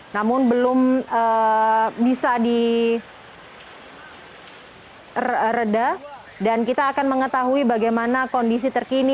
namun belum bisa direda dan kita akan mengetahui bagaimana kondisi terkini